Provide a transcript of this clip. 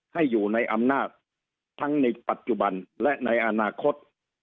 ให้อยู่ในอำนาจทั้งในปัจจุบันและในอนาคต